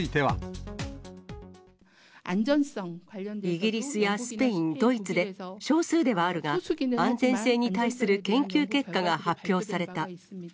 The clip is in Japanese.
イギリスやスペイン、ドイツで、少数ではあるが、安全性に対する研究結果が発表された。